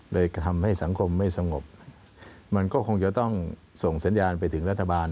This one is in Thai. โดยทำให้สังคมไม่สงบมันก็คงจะต้องส่งสัญญาณไปถึงรัฐบาล